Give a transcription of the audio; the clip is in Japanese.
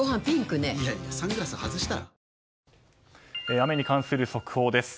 雨に関する速報です。